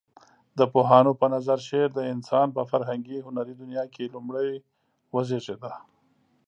د پوهانو په نظر شعر د انسان په فرهنګي هنري دنيا کې لومړى وزيږيده.